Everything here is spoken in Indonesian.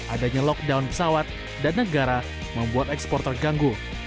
adanya lockdown pesawat dan negara membuat ekspor terganggu